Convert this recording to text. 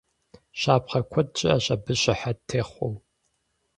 Щапхъэ куэд щыӀэщ абы щыхьэт техъуэу.